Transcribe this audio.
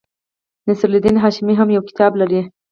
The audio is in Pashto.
نصیر الدین هاشمي هم یو کتاب لري.